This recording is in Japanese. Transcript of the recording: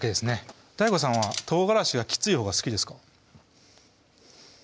ＤＡＩＧＯさんは唐辛子がきついほうが好きですか？